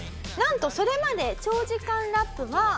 なんとそれまで長時間ラップは。